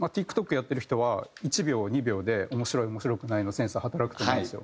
やってる人は１秒２秒で面白い面白くないのセンサー働くと思うんですよ。